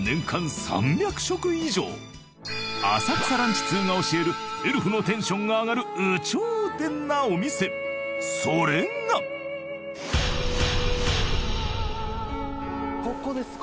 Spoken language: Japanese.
その数浅草ランチ通が教えるエルフのテンションが上がる有頂天なお店それがここです